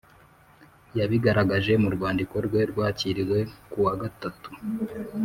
Yabigaragaje mu rwandiko rwe rwakiriwe ku wa gatatu